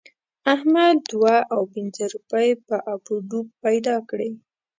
احمد دوه او پينځه روپۍ په اپ و دوپ پیدا کړې.